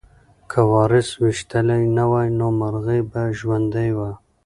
که وارث ویشتلی نه وای نو مرغۍ به ژوندۍ وه.